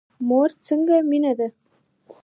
مور څنګه مینه کوي؟